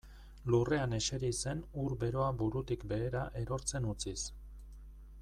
Lurrean ezeri zen ur beroa burutik behera erortzen utziz.